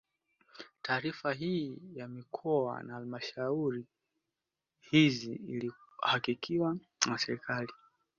Taarifa hii ya mikoa na halmashauri hizi ilihakikiwa na serikali